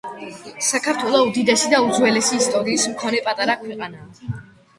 საქართველო უდიდესი და უძველესი ისტორიის მქონე პატარა ქვეყანაა